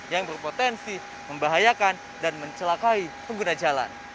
yang berpotensi membahayakan dan mencelakai pengguna jalan